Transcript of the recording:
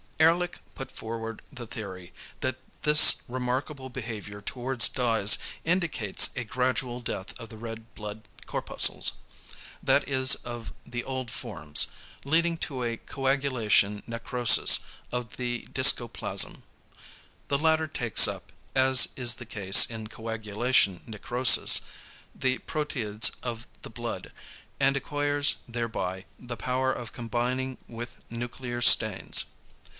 Ehrlich put forward the theory, that this remarkable behaviour towards dyes indicates a gradual death of the red blood corpuscles, that is of the old forms, leading to a coagulation necrosis of the discoplasm. The latter takes up, as is the case in coagulation necrosis, the proteids of the blood, and acquires thereby the power of combining with nuclear stains.